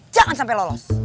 jangan sampai lolos